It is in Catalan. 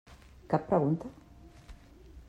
Cap pregunta?